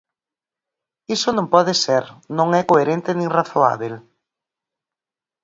Iso non pode ser, non é coherente nin razoábel.